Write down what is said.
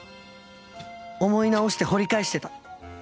思い直して掘り返してた。